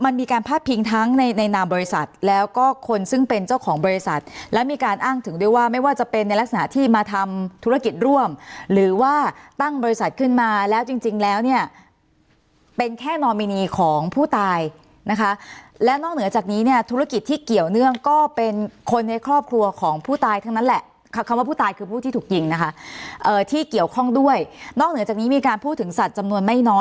ในลักษณะที่มาทำธุรกิจร่วมหรือว่าตั้งบริษัทขึ้นมาแล้วจริงจริงแล้วเนี้ยเป็นแค่นอมินีของผู้ตายนะคะแล้วนอกเหนือจากนี้เนี้ยธุรกิจที่เกี่ยวเนื่องก็เป็นคนในครอบครัวของผู้ตายทั้งนั้นแหละคำว่าผู้ตายคือผู้ที่ถูกยิงนะคะเอ่อที่เกี่ยวข้องด้วยนอกเหนือจากนี้มีการพูดถึงสัตว์จำน